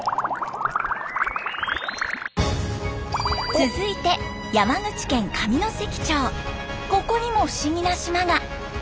続いてここにも不思議な島が！